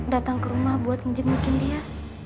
datang ke rumah buat ngejek mungkin dia